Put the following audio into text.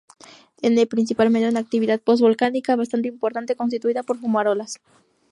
Tiene principalmente una actividad post-volcánica bastante importante constituida por fumarolas.